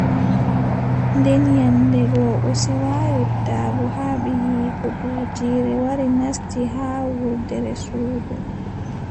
Nden nyande go, o siwa yottaago haa ɓiiyiiko, duujiire wari nasti haa wurdere suudu.